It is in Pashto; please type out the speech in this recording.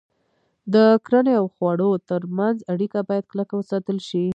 د کرنې او خوړو تر منځ اړیکه باید کلکه وساتل شي.